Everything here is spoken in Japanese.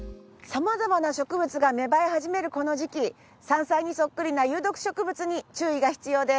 様々な植物が芽生え始めるこの時期山菜にそっくりな有毒植物に注意が必要です。